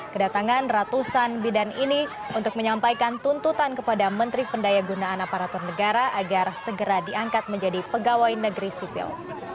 kedatangan ratusan bidan ini untuk menyampaikan tuntutan kepada menteri pendaya gunaan aparatur negara agar segera diangkat menjadi pegawai negeri sipil